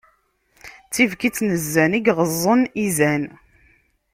D tibkit n zzan, i yeɣeẓẓen izan.